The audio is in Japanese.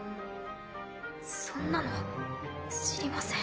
そんなの知りません。